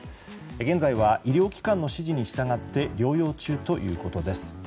現在は医療機関の指示に従って療養中ということです。